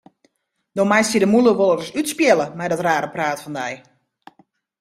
Do meist dy de mûle wolris útspiele mei dat rare praat fan dy.